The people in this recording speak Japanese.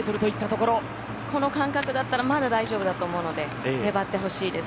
この間隔だったらまだ大丈夫だと思うので粘ってほしいです。